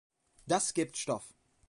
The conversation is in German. Das gibt Stoff!